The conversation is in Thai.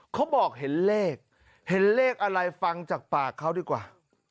เขาบอกเห็นเลขเห็นเลขอะไรฟังจากปากเขาดีกว่า